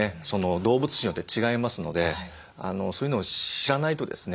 動物種によって違いますのでそういうのを知らないとですね